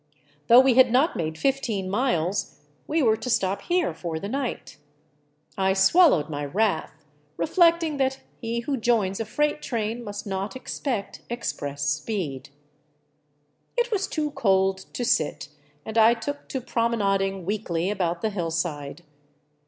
Though we had not made fifteen miles, we were to stop here for the night. I swallowed my wrath, reflecting that he who joins a freight train must not expect express speed. It was too cold to sit, and I took to promenading weakly about the hillside.